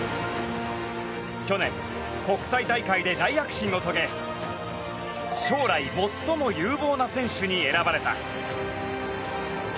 去年、国際大会で大躍進を遂げ将来最も有望な選手に選ばれた。